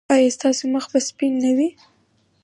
ایا ستاسو مخ به سپین نه وي؟